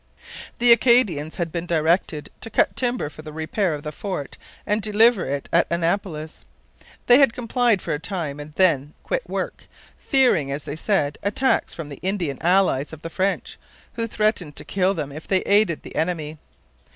The Acadians had been directed to cut timber for the repair of the fort and deliver it at Annapolis. They had complied for a time and had then quit work, fearing, as they said, attacks from the Indian allies of the French, who threatened to kill them if they aided the enemy.